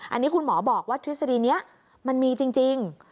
อันนี้คุณหมอบอกว่าทฤษฎีนี้มันมีจริง